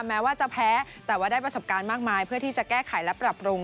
แม้ว่าจะแพ้แต่ว่าได้ประสบการณ์มากมายเพื่อที่จะแก้ไขและปรับปรุง